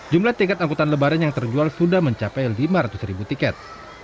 jumlah tiket angkutan lebaran yang terjual sudah mencapai lima ratus ribu tiket